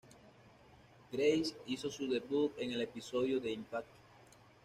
Grace hizo su debut en el episodio de "Impact!